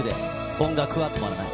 音楽は止まらない。